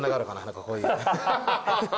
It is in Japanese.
こういう。